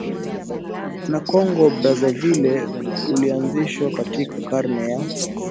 na Kongo Brazzaville Ulianzishwa katika karne ya